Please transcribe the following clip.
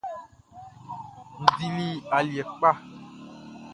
N dili aliɛ kpa.